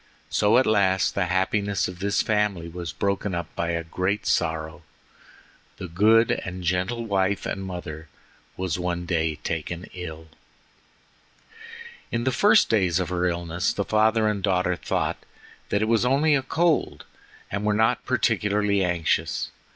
So at last the happiness of this family was broken up by a great sorrow. The good and gentle wife and mother was one day taken ill. In the first days of her illness the father and daughter thought that it was only a cold, and were not particularly anxious.